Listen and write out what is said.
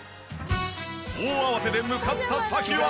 大慌てで向かった先は。